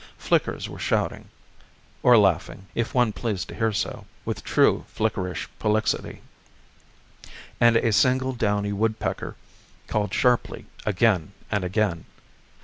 Flickers were shouting or laughing, if one pleased to hear it so with true flickerish prolixity, and a single downy woodpecker called sharply again and again.